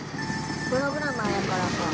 プログラマーやからか。